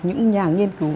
những nhà nghiên cứu